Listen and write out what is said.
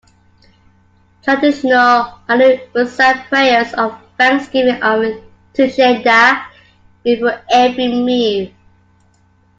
Traditional Ainu recite prayers of thanksgiving to Shinda before every meal.